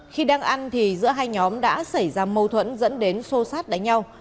khi đang ăn thì giữa hai nhóm đã xảy ra mâu thuẫn dẫn đến xô sát đánh nhau